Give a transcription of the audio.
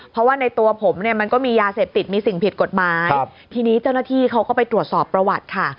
เพราะว่าในตัวผมเนี่ยมันก็มียาเสพติดมีสิ่งผิดกฎหมายทีนี้เจ้าหน้าที่เขาก็ไปตรวจสอบประวัติค่ะ